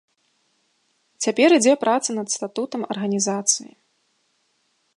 Цяпер ідзе праца над статутам арганізацыі.